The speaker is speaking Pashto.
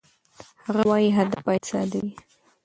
هغه وايي، هدف باید ساده وي.